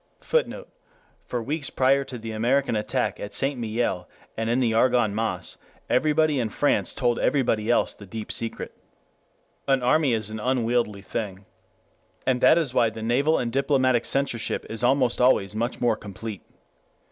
[Footnote: For weeks prior to the American attack at St. Mihiel and in the Argonne Meuse, everybody in France told everybody else the deep secret.] An army is an unwieldy thing. And that is why the naval and diplomatic censorship is almost always much more complete.